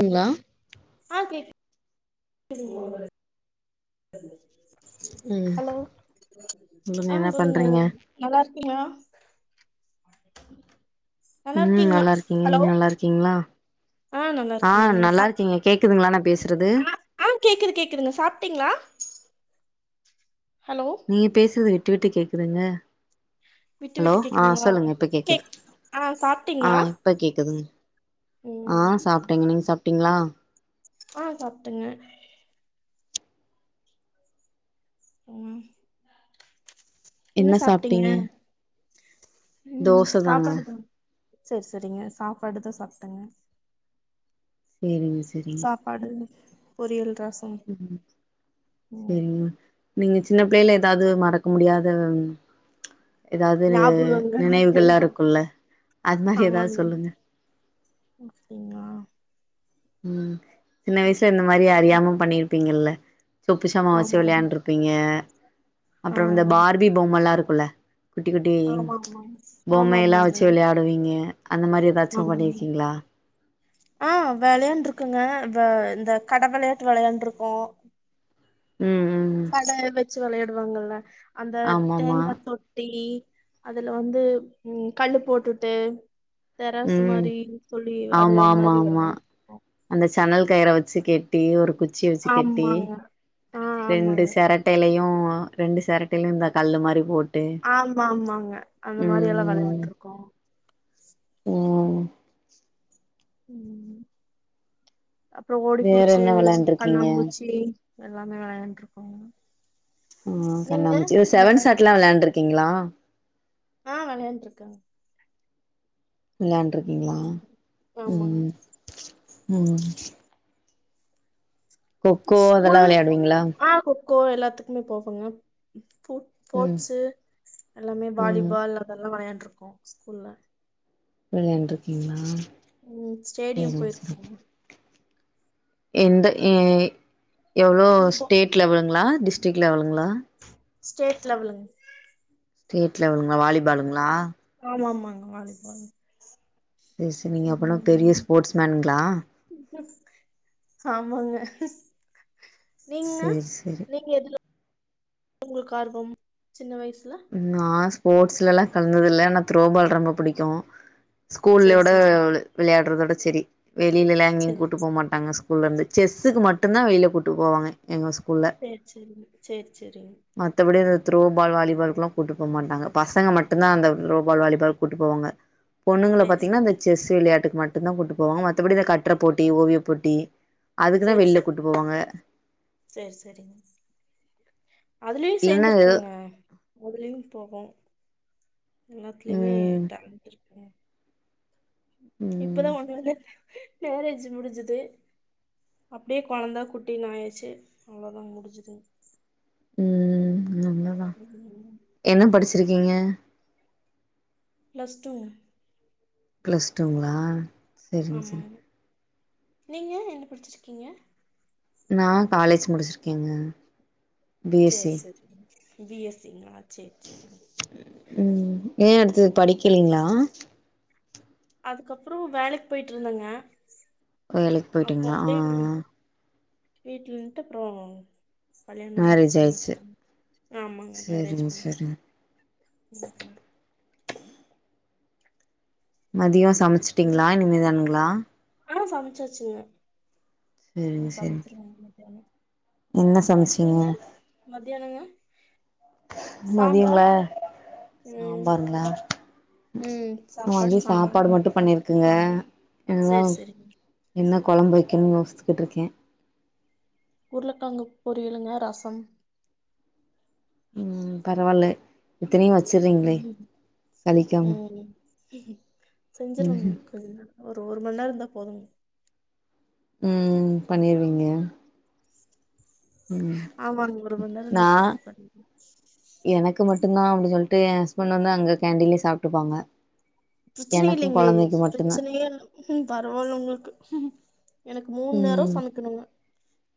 அண்ணா ஆ கேக் குது ம் ஹலோ சொல்லுங்க ஆ என்ன சொல்லுங்க பண்றீங்க நல்லா இருக்கீங்களா ம் இருக்கீங்களா நல்லா இருக்கீங்க ஹலோ நீங்க நல்லா இருக்கீங்ளா ஆ நல்லா ஆ இருக்குங்க நல்லா சாப் இருக்கீங்க கேக்குதுங்ளா நா பேசுறது ஆ ஆ கேக்குது கேக்குதுங்க சாப்பிட்டீங்களா ஹலோ நீங்க பேசுதது விட்டு விட்டு கேட்குதுங்க விட்டு ஹலோ விட்டு ஆஹ் கேக்குதுங்களா சொல்லுங்க இப்ப கேக்குது கேக் ஆ சாப்ட்டீங்களா ஆஹ் இப்ப கேக்குதுங்க ம் ஆஹ் சாப்பிட்டேங்க நீங்க சாப்பிட்டீங்களா ஆ சாப்டங்க ம் என்ன சாப்டீங்க ம் தோச தாங்க சாப்பாடு தா செரி செரிங்க சாப்பாடு தா சாப்டங்க நிம் சரி பாடுனி ஒரே ஒரு கிராஸ் ம் ம் சரிங்க நீங்க சின்ன பிள்ளேல ஏதாது மறக் க முடியாத ஏதாது னு ஞாபகங்கள் நினைவுகள்லா எல்லாம் இருக்குல்ல அது மாரி ஏதாது சொல்லுங்க அப்டிங்ளா ம் சின்ன வயசுல இந்த மாரி அறியாம பண்ணிருப்பீங்கல்ல சொப்பு சாமா வச்சு ஆமா ஆமா. விளையாண்டுரு ப்பிங்க அப்றொ இந்த ஆ பார்பி பொம்ம லா இருக்குல்ல குட்டி குட்டி ஆமா ஆமா ஆமா பொம்மை ல்லா ஆமாங்க வச்சு விளையாடுவீங்க அந்த மாரி ஏதாச்சு ஆமாங்க பண்ணிருக்கீங்ளா ஆ விளையாண்டுருக்கங்க வ இந்த கட விளையாட்டு விளையாண்டுருக்கோ ம் ம் கட வச்சு விளையாடுவாங்கல்ல அந்த ஆமாமா தேங்காதோ தீ அதுல வந்து ம் கள்ளு போட்டுட்டு தெராசு ம் மாரி சொல்லி ஆமா அதுவ ஆமா மாரி விள ஆமா அந்த சனல் கயிற வச்சு கெட்டி ஒரு குச்சிய வச்சு கெட்டி ஆமாங்க ஆ ரெண்டு ஆமாங்க செரட் ட்டையிலையு ரெண்டு செரட்டையிலையு இந்த கல்லு மாரி போட் ஆமா மாங்க அந்த மாரில்லா வெளையாண்ருக்கோ உம் ம் அப்புறோ வேற ஓடிபுடிச்சு என்ன வெளாண்ட்ருக்கீங்க கண்ணாபூச்சி எல்லாமே வெளையான்ட்ருக்கோ ம் கண்ணாபூச்சி இ செவன் வெளையாண்டு சாட்லா வெளாண்ட்ருக்கீங்ளா ஆ வெளையாட்டுருக்கேங் வெளையாண்ட்ருக்கீங்ளா ம். ஆமாங்க ம் ம் கொக்கோ அதெல்லா ஸ்கூல்லு வெளையாடுவீங்களா ஆ கோ எல்லாத்துக்குமே போவோங்க போ ம் போட்ஸு எல்லாமே ம் வாலிபால் அதெல்லா வெளையாண்டுருக்கோ ஸ்கூல்ல வெளையாண்ட்ருக்கீங்ளா ம் ஸ்டேடியம் போயிருக்கங்க எந்த எவ்ளோ இங்க கோ ஸ்டேட் லெவலுங்ளா, டிஸ்ட்ரிக் லெவலுங்ளா ஸ்டேட் லெவலுங் ஸ்டேட் லெவலுங்ளா வாலிபாலுங்ளா ஆமா மாங்க வாலிபால் சரி சரி நீங்க அபபன்னா பெரிய ம். ஸ்போட்ஸ் மேனுங்ளா ஆமாங்க நீங்ண்ணா சேரி சேரி நீங்க எதுல உங்களுக்கு ஆர்வம் சின்ன வயசுல நா ஸ்போட்ஸ்லலா கலந்ததில்ல ஆனா த்ரோபால் ரொம்ப புடிக்கு சரி ஸ்கூல்லோட சரிங்க வெளையாட்றதோட செரி வெளிலல்லா எங்கேயு சரி கூட்டு போ மாட் டாங்க ஸ்கூலருந்து செஸ்ஸுக்கு மட்டுந்தா வெளில கூட்டுபோவாங்க எங்க ஸ்கூல்ல சேர் செரிங் சேர் செரிங் மத்தபடி இந்த த்ரோபால், வாலிபால் கூட்டு போக மாட்டாங்க பசங்க மட்டுதா அந்த த்ரோபால், வாலிபால் கூட்டு போவாங்க பொண்ணுங்கள சரி சரிங்க சரி பாத்தீங்னா இந்த சரிங்க செஸ் வெளையாட்டுக்கு மட்டுந்தா கூட்டு போவாங்க மத்தபடி இந்த கட்ரபோட்டி, ஓவியபோட்டி சேர் செரிங்க சேர் செரிங்க அதுலயு இல்லன்னா சேந்துருக்கங்க அதுலயு போவோம் எல்லாத்துலயுமே ம் டேலண்ட்ருக்குங்க ம் இப்பதா ஒண்ணு வந்து மேரேஜ் முடிஞ்சது அப்டியே கொழந்த குட்டினு ஆயாச்சு அவ்ளோதா முடிஞ்சதுங் ம்ம் நம்லா உம் ம் என்ன படிச்சிருக்கீங்க ப்ளஸ்டூங் ப்ளஸ்டூங்ளா ஆமாங்க நீங்க என்ன படிச்சிருக்கீங்க நா காலேஜ் முடிச்சிருக்கேங்க பி எஸ் சி சேர் செரிங் பி எஸ் சி ங்ளா சேர் செரிங் உம் ஏ அடுத்தது படிக்கலேங்ளா அதுக்கப்புறோ வேலைக் போய்ட்டுருந்தங்க வேலைக்கு அப்ப போயிட்டீங்களா ஆ அப்டே வீட்லன்ட்டு அப்றோ கல்யாணமு மேரேஜ் ஆயிடுச்சு பண்ணிவச்சுட்டங்க ஆமாங்க மேரேஜ் சரிங்க பண்ணி சரிங்க ம் மதியோ நீங்க சமைச்சிட்டீங்களா இனிமேதானுங்களா ஆ சமைச்சாச்சு சரிங்க சரிங்க சமைச்சிருவ மத்தியானோ என்ன சமைச்சீங்க நீங்க மத்தியானங்க மதியங்களா சாம்பார் ம் சாம்பாருங்ளா ம் நா சாப்பாடு வந்து சாம்பார் சாப்பாடு மட்டு பண்ணிரு குங்க எதா சேரி சேரிங்க என்ன கொழம்பு வைக்கணு யோசித்துக்கிட்டுருக்கே உருளக்கழங்கு பொரியளுங்க ரசம் ம் பரவால்ல இத்தனையு வச்சிர்றிங்ளே ம் சளிக்காம ம் ம்ஹு செஞ்சிருவங்க ஒரு ஒரு மண்நேரோ இருந்தா போதும் ம் பண்ணிருவிங்க ஆமாங்க ஒரு மண்நேரோ இருந்தா போது நான் பண்ணிக்லா எனக்கு மட்டுதா அப்டி சொல்ட்டு எ ஹஸ்பண்ட் வந்து அங்க கேன்டின்லே சாப்ட்டுப்பாங்க எனக்கு பிரச்சனைல்லைங்களே கொழந்தைக்கு மட்டுந்தா பிரச்சனையேல்ல பரவால்ல உங்களுக்கு எனக்கு மூண் நேரோ ம் சமைக்கணுல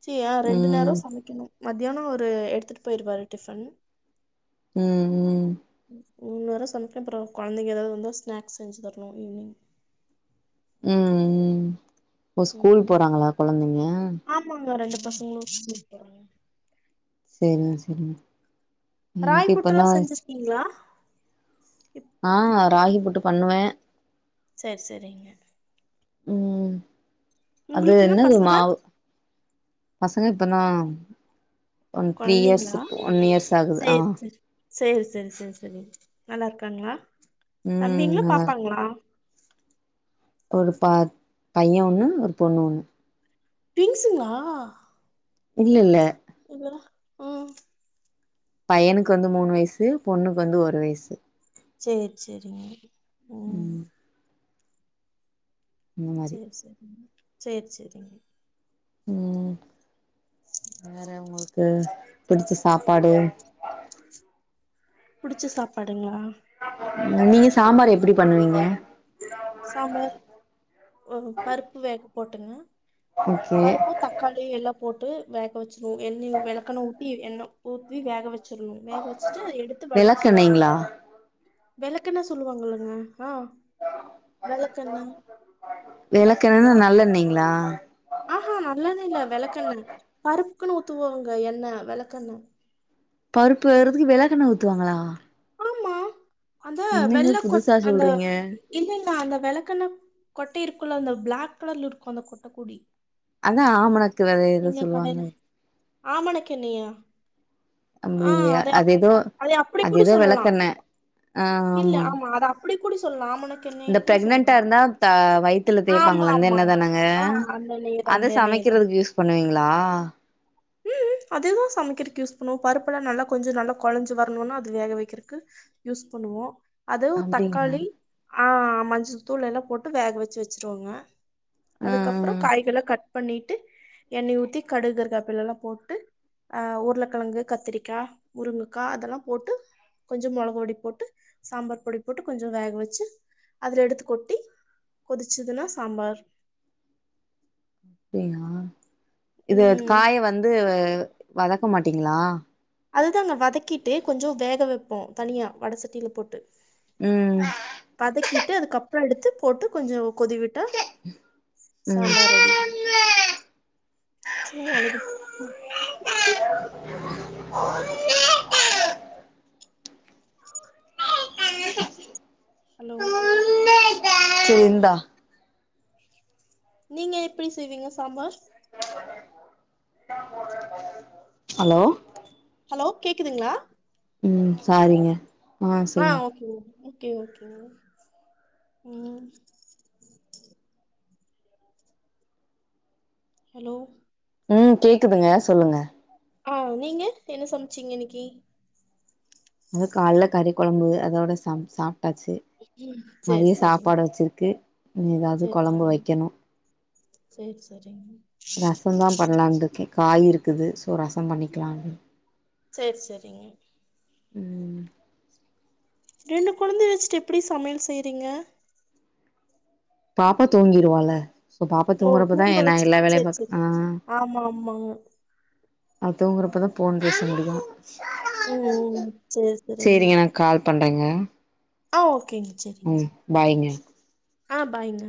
சீ ரெண்டு நேரோ ம் சமைக்கணு மத்தியானோ ஒரு எடுத்துட் போய்ருவாரு டிஃபன் ம் ம் இன்னு வர சமைக்கல ப்ரோ கொழந்தைங்க எதாவது வந்தா ஸ்நாக்ஸ் செஞ்சு தரணு ஈவ்னிங் ம் ம் ஓ ஸ்கூல் ம் போறாங்களா கொழந்தைங்க ஆமாங்க ரெண்டு பசங்களு ஸ்கூல் போறாங்க சரிங்க சரிங்க ராய் ஃபுட்டல்லா செஞ்சிருக்கீங்களா ஆ ராகி புட்டு பண்ணுவ சரி சரிங்க ம் அது உங்களுக்குங்க என்னது பசங்க மாவு பசங்க இப்பந்தா ஒன், த்ரீ இயர்ஸ், கொழந்தைங்களா ஒன் இயர்ஸ் ஆகுது ஆ சரி சரி சரி சரி நல்லாருக்காங்களா ம் தம்பிங்களா, நல்லாரு பாப்பாங்களா ஒரு பா பைய ஒன்னு, ஒரு பொண்ணு ஒன்னு டின்ஸ்ங்களா இல்லல்ல இவ்ளலா அ பையனுக்கு வந்து மூணு வயிசு, பொண்ணுக்கு வந்து ஒரு வயிசு சேர் சேரிங்க ம் இந்த மாரி சேரி சேரிங்க சேரி சேரிங்க ம் வேற உங்களுக்கு பிடிச்ச சாப்பாடு புடிச்ச சாப்பாடுங்களா நீங்க சாம்பார் எப்டி பண்ணுவீங்க சாம்பார் ஒ பருப்பு வேக போட்டுங்க ஓகே பருப்பு, தக்காளி எல்லா போட்டு வேக வச்சுரு எண்ணெய வெளக்கண்ண ஊத்தி எண்ண ஊத்தி வேக வச் சுருவோ வேக வச்சுட்டு எடுத்து வடிச்சு வெளக்கெண்ணெய்ங்களா வெளக்கெண்ண சொல்லுவாங்கல்லங்க ஆ [unintelligible] நல்லாக்குங்க வெளக்கெண்ண நல்லெண்ணய்ங்ளா ஆ ஆ நல்லெண்ண இல்ல வெளக்கெண்ண பருப்புக்குன் ஊத்துவாங்க எண்ணெ வெளக்கெண்ண பருப்பு வேவ்றதுக்கு வெளக்கெண்ண ஊத்துவாங்களா ஆமா அந்த என்னங்க வெல்ல கொட் புதுசா அந்த சொல்றீங்க இல்லல்ல அந்த வெளக்கெண்ண கொட்ட இருக்குல்ல அந்த பிளாக் கலர்லருக்கு அந்த கொட்ட குடி அதா ஆமணுக்கு வெத எதோ சொல்வாங்ளே ஆமணுக்கெண்ணயா ஆ அத அத அப்டி கூடி ஏதோ சொல்லலா வெளக்கெண்ண இல்ல ஆமா அத அப்படி கூட சொல்லா ஆமணுக் இந்த பிரெக்னென்டா இர்ந்தா தா வயித்துல ஆமா தேய்ப்பாங்ள அந்த எண்ணெ ஆமாங்க. தானங்க ஆ அந்த நெய்தான் அத அந்த நெய்தான். சமைக்கிறதுக்கு யூஸ் பண்ணுவீங்களா ம் அதேதா சமைக்கிற்கு யூஸ் பண்ணுவோம் பருப்புல்லா நல்லா கொஞ்ச நல்லா கொழஞ்சு வரணுனா அது வேக வெக்கிற்க்கு யூஸ் பண்ணுவோ அதுவு அப்டிங்களா தக்காளி ஆ மஞ்சத்தூள் எல்லா போட்டு வேக வெச்சு வெச்ருவங்க ஆ அதுக்கப்புறோ ஆ காய்கள்லா கட் பண்ணிட்டு எண்ணெய் ஊத்தி கடுகு கர்பலல்லா போட்டு ஆ உருளகெழங்கு கத்திரிக்கா முருங்கக்கா அதெல்லா போட்டு கொஞ்சோ மெளகு பொடி போட்டு சாம்பார் பொடி போட்டு கொஞ்ச வேக வெச்சு அதுல எடுத்து கொட்டி கொதிச்சதுன்னா சாம்பார் அப்டியா இதுல ம் காய வந்து வதக்க மாட்டீங்ளா அதுதாங்க வதக்கிட்டு கொஞ்ச வேக வெப்போம் தனியா வட சட்டில போட்டு ம் வதக்கிட்டு அதுக்கப்ற எடுத்து போட்டு கொஞ்சோ கொதிவிட் ட்டு ம் சாம்பார் ரெடி நெச்சமாவே அவ்ளோ தா ஹலோ செரி இந்த நீங்க எப்டி செய்வீங்க சாம்பார் ஹலோ ஹலோ கேக்குதுங்ளா ம் சாரிங்க ஆ ஓகே ஓகே ஓகே ஓகே ம் ஹலோ ம் கேக்குதுங்க சொல்லுங்க ஆ நீங்க என்ன சம்ச்சீங்க இன்னிக்கி அது கால்ல கறி கொழம்பு அதோட சம் சாப்டாச்சு ம். சரி, மதிய சரிங்க. சாப்பாடு வெச்சிருக்கு எதாவ்து சரி, கொழம்பு சரிங்க. வெக்கனு சரி, சரிங்க. ரசந்தா பண்லான்ருக்கே காய் இருக்குது சோ ரசம் பண்ணிக்லா சேர் செரிங்க ம் ரெண்டு கொழந்தைய வச்ட்டு எப்டி சமையல் செய்றீங்க பாப்பா தூங்கிருவாள சோ பாப்பா ஓ! தூங்குறப்பதா தூங்க நா வச்சுட்டு எல்லா வேலையும் சரி, சரி. பாப்பே ஆ ஆமா, ஆமாங்க. அது தூங்குறப்ப தா ஃபோன்பேச முடியும் ம் செர் சேரிங்க கால் பண்றெங்க ஆ ஓகேங் செரிங்க பாய்ங்க ஆ பாய்ங்க